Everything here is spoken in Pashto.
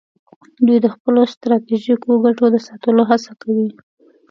دوی د خپلو ستراتیژیکو ګټو د ساتلو هڅه کوي